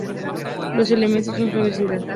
Los amentos son suaves y blancos.